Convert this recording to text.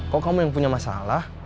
kok kamu yang punya masalah